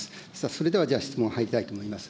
それではじゃあ、質問に入りたいと思います。